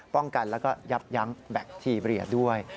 ป้องกันแล้วก็ยับยั้งแบคทีเรียด้วย